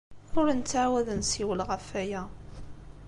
Ur nettɛawad ad nessiwel ɣef waya.